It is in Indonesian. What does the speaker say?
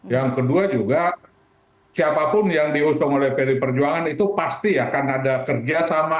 yang kedua juga siapapun yang diusung oleh pd perjuangan itu pasti akan ada kerjasama